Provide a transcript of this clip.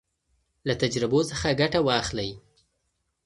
له تجربو څخه ګټه واخلئ.